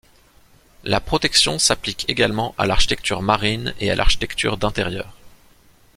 La protection s'applique également à l'architecture marine et à l'architecture d'intérieur.